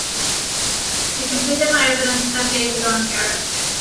I completed my evidence ten days ago in Paris.